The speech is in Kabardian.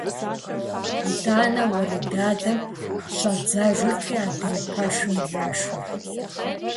ИтӀанэ уэредадэм щӀадзэжырти, адрей пэшым яшэрт.